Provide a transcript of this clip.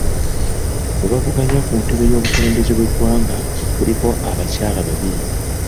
Mu bavuganya ku ntebe y'obukulembeze bw'eggwanga kuliko abakyala babiri.